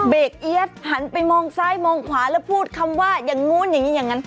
เอี๊ยดหันไปมองซ้ายมองขวาแล้วพูดคำว่าอย่างนู้นอย่างนี้อย่างนั้น